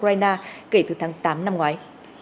hãy đăng ký kênh để ủng hộ kênh của mình nhé